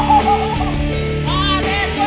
liat gue cabut ya